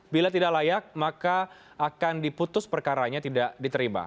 bila tidak layak maka akan diputus perkaranya tidak diterima